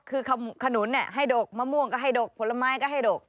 คือขนุนให้ดกมะม่วงก็ให้ดกผลไม้ก็ให้ดก